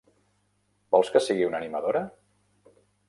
Vols que sigui una animadora?